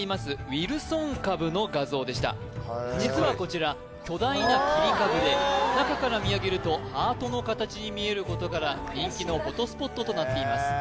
ウィルソン株の画像でした実はこちら巨大な切り株で中から見上げるとハートの形に見えることから人気のフォトスポットとなっています